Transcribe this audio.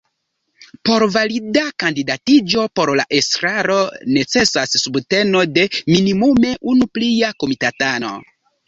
Por valida kandidatiĝo por la estraro necesas subteno de minimume unu plia komitatano.